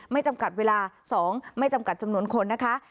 จำกัดเวลา๒ไม่จำกัดจำนวนคนนะคะ